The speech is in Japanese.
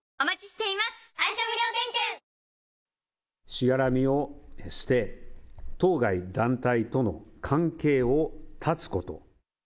しがらみを捨て、当該団体との関係を断つこと。